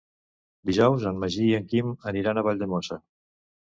Dijous en Magí i en Quim aniran a Valldemossa.